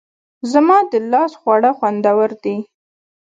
زما د لاس خواړه خوندور دي